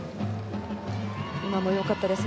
今のも良かったです。